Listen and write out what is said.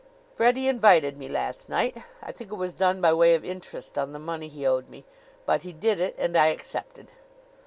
"Freddie invited me last night. I think it was done by way of interest on the money he owed me; but he did it and I accepted."